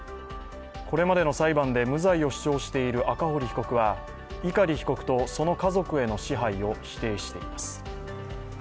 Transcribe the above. これまでの裁判で無罪を主張している赤堀被告は碇被告と、その家族への支配を否定しています。